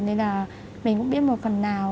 nên là mình cũng biết một phần nào